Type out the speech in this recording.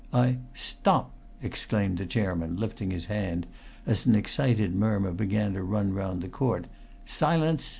I " "Stop!" exclaimed the chairman, lifting his hand as an excited murmur began to run round the court. "Silence!